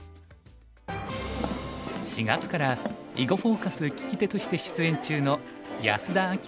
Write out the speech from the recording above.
４月から「囲碁フォーカス」聞き手として出演中の安田明